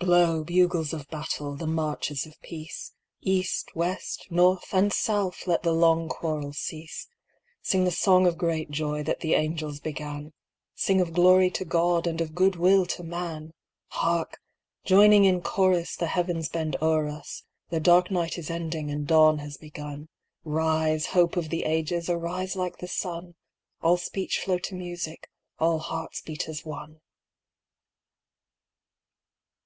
III. Blow, bugles of battle, the marches of peace; East, west, north, and south let the long quarrel cease Sing the song of great joy that the angels began, Sing of glory to God and of good will to man! Hark! joining in chorus The heavens bend o'er us' The dark night is ending and dawn has begun; Rise, hope of the ages, arise like the sun, All speech flow to music, all hearts beat as one!